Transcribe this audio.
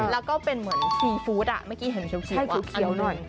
แล้วก็เป็นเหมือนซีฟู้ดเมื่อกี้เห็นเขียวใช่เขียวหน่อย